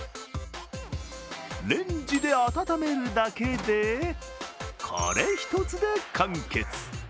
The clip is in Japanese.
レンジで温めるだけで、これ１つで完結。